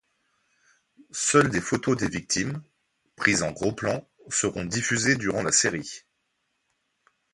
Seules des photos des victimes, prises en gros plan, seront diffusées durant la série.